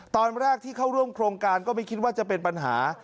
ตอนแรกที่เข้าร่วมโครงการก็ไม่คิดว่าจะเป็นปัญหา